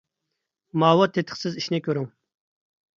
ماۋۇ تېتىقسىز ئىشنى كۆرۈڭ!